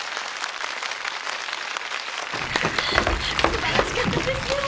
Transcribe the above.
素晴らしかったですよ。